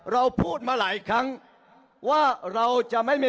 ถามเพื่อให้แน่ใจ